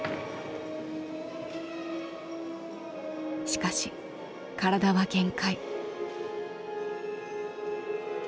しかし体は限界。